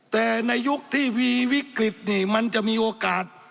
แต่ในยุคที่มีวิกฤตนี่มันจะมีโอกาส